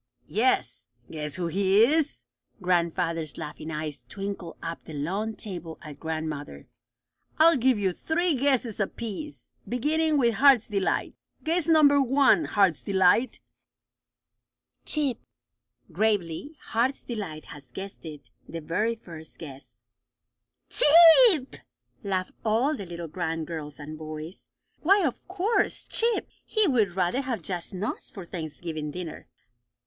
"Yes. Guess who he is?" Grandfather's laughing eyes twinkled up the long table at grandmother. "I'll give you three guesses apiece, beginning with Heart's Delight. Guess number one, Heart's Delight." "Chip," gravely. Heart's Delight had guessed it the very first guess. "Chip!" laughed all the little grand girls and boys. Why, of course! Chip! He would rather have just nuts for Thanksgiving dinner!